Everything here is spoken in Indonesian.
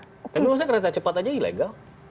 tapi kenapa kereta cepat aja ilegal